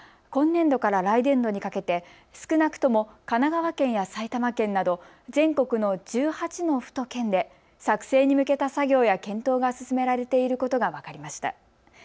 ＮＨＫの取材では今年度から来年度にかけて少なくとも神奈川県や埼玉県など、全国の１８の府と県で作成に向けた作業や検討が進められていることが分かりました。